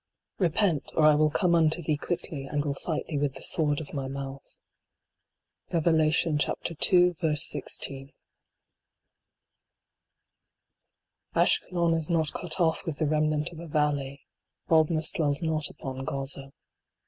" Repent, or I will come unto thee quickly, and will fight thee with the sword of my mouth." REVELATION ii. 16. I. A SHKELON is not cut off with the remnant of a valley. Baldness dwells not upon Gaza.